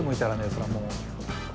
それはもう。